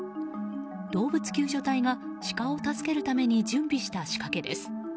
動物救助隊がシカを助けるために準備した仕掛けです。